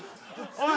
おい！